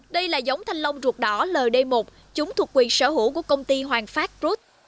đây là giống thanh long ruột đỏ ld một chúng thuộc quyền sở hữu của công ty hoàng phát brut